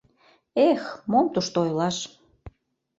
Эх, мом тушто ойлаш!